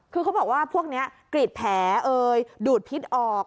คือเขาบอกว่าพวกนี้กรีดแผลดูดพิษออก